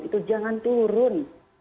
itu jangan turun